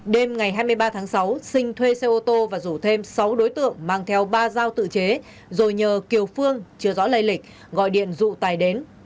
đêm ngày hai mươi ba tháng sáu sinh thuê xe ô tô và rủ thêm sáu đối tượng mang theo ba dao tự chế rồi nhờ kiều phương chưa rõ lây lịch gọi điện dụ tài đến